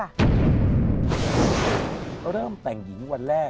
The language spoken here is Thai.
เริ่มแต่งหญิงวันแรก